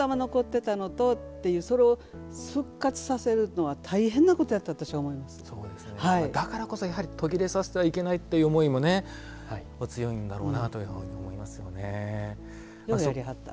たまたま残ってたのとというそれを復活させるのはだからこそやはり途切れさせてはいけないという思いもお強いんだろうなというふうに思いますよね。